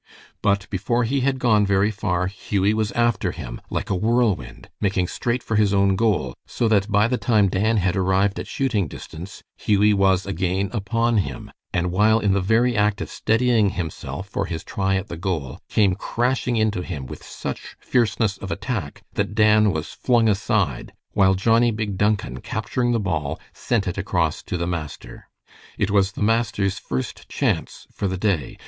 But before he had gone very far Hughie was after him like a whirlwind, making straight for his own goal, so that by the time Dan had arrived at shooting distance, Hughie was again upon him, and while in the very act of steadying himself for his try at the goal, came crashing into him with such fierceness of attack that Dan was flung aside, while Johnnie Big Duncan, capturing the ball, sent it across to the master. It was the master's first chance for the day.